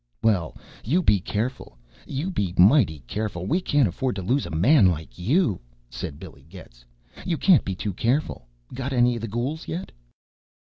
"Well, you be careful. You be mighty careful! We can't afford to lose a man like you," said Billy Getz. "You can't be too careful. Got any of the ghouls yet?"